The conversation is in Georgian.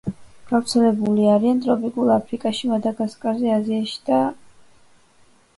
გავრცელებული არიან ტროპიკულ აფრიკაში, მადაგასკარზე, აზიაში და მალაის არქტიკულ კუნძულებზე.